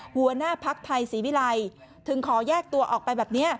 หัวหน้าภักดิ์ไทยศรีวิรัยถึงขอแยกตัวออกไปแบบนี้